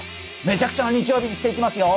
めちゃくちゃな日曜日にしていきますよ。